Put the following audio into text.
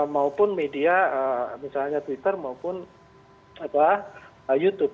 maupun media misalnya twitter maupun youtube